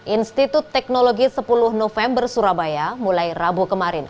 institut teknologi sepuluh november surabaya mulai rabu kemarin